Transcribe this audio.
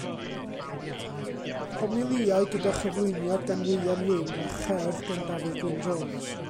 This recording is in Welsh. Homilïau gyda chyflwyniad gan Ieuan Wyn a cherdd gan Dafydd Glyn Jones.